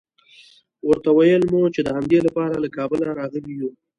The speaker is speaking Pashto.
ورته ویل مو چې د همدې لپاره له کابله راغلي یوو.